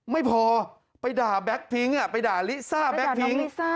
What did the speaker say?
ไม่พอไปด่าแก๊กพิ้งไปด่าลิซ่าแก๊กพิ้ง